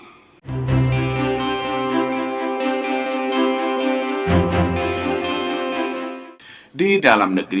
pertumbuhan ekonomi di dalam negara